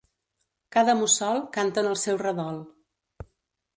Cada mussol canta en el seu redol.